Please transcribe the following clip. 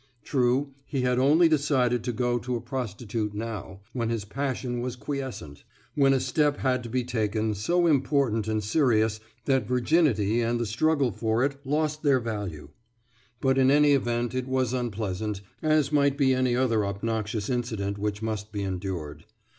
True, he had only decided to go to a prostitute now, when his passion was quiescent, when a step had to be taken so important and serious that virginity and the struggle for it lost their value. But in any event it was unpleasant, as might be any other obnoxious incident which must be endured.